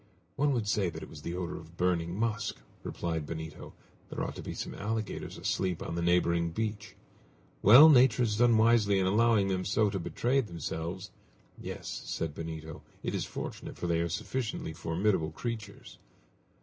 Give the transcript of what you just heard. "One would say that it was the odor of burning musk!" replied Benito. "There ought to be some alligators asleep on the neighboring beach!" "Well, nature has done wisely in allowing them so to betray themselves." "Yes," said Benito, "it is fortunate, for they are sufficiently formidable creatures!"